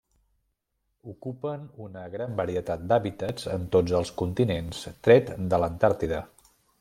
Ocupen una gran varietat d'hàbitats en tots els continents tret de l'Antàrtida.